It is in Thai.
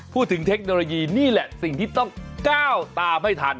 เทคโนโลยีนี่แหละสิ่งที่ต้องก้าวตามให้ทัน